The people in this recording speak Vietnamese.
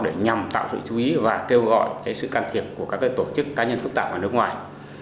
để nhằm tạo sự chú ý và kêu gọi sự can thiệp của các tổ chức cá nhân phức tạp ở nước ngoài